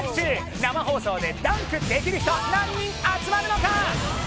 生放送でダンクできる人、何人集まるのか。